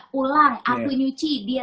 pulang aku nyuci dia